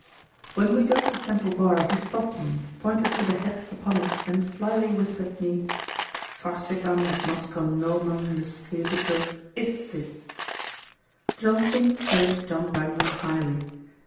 When we got to Temple bar he stopped me, pointed to the heads upon it, and slily whispered me, "Forsitan et nostrum nomen miscebitur ISTIS."'. Johnson praised John Bunyan highly.